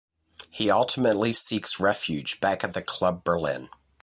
He ultimately seeks refuge back at the Club Berlin.